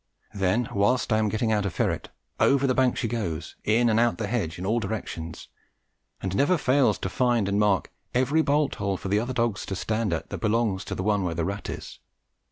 Then, whilst I am getting out a ferret, over the bank she goes, in and out the hedge in all directions, and never fails to find and mark every bolt hole for the other dogs to stand at that belongs to the one where the rat is.